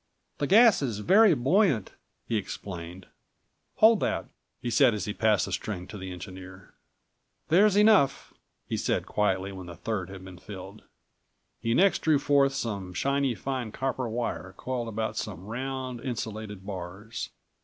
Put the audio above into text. "The gas is very buoyant," he explained. "Hold that," he said as he passed the string to the engineer. "There's enough," he said quietly when the third had been filled. He next drew forth some shiny fine copper223 wire coiled about some round, insulated bars.